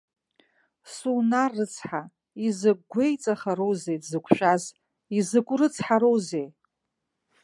Сунар рыцҳа, изакә гәеиҵахароузеи дзықәшәаз, изакә рыцҳароузеи!